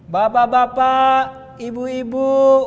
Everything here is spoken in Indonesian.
bapak bapak ibu ibu